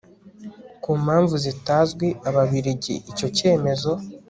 ku mpamvu zitazwi ababiligi icyo cyemezo